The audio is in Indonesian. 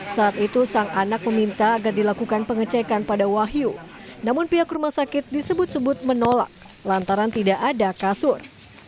saat itu sang anak meminta agar dilakukan pengecekan pada wahyu namun pihak rumah sakit disebut sebut menolak lantaran tidak ada kasur